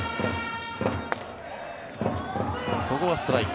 ここはストライク。